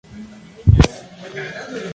Se recolecta en primavera.